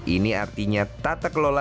ini artinya tata kelola